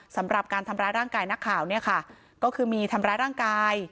สำหรับการทำร้ายร่างกายนักข่าวเนี่ยค่ะก็คือมีทำร้ายร่างกาย